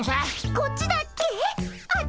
あっちだっけ？